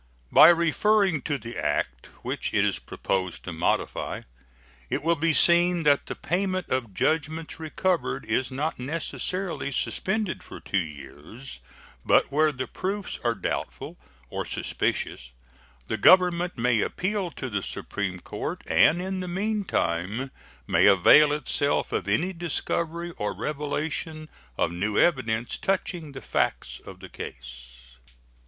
By referring to the act which it is proposed to modify it will be seen that the payment of judgments recovered is not necessarily suspended for two years; but where the proofs are doubtful or suspicious the Government may appeal to the Supreme Court, and in the meantime may avail itself of any discovery or revelation of new evidence touching the facts of the case.